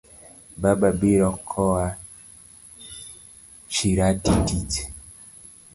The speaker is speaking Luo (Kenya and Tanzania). Baba biro koa shirati tich.